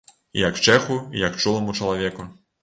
І як чэху, і як чуламу чалавеку.